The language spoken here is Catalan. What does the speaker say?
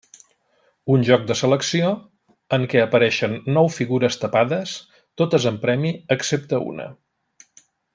Un joc de selecció, en què apareixen nou figures tapades, totes amb premi excepte una.